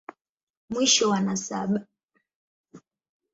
Mwisho wa nasaba.